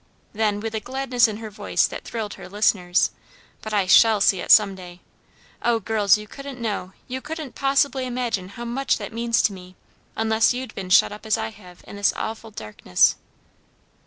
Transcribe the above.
Then, with a gladness in her voice that thrilled her listeners, "But I shall see it some day! Oh, girls, you couldn't know, you couldn't possibly imagine how much that means to me, unless you'd been shut up as I have in this awful darkness."